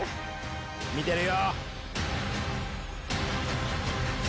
見てるよ！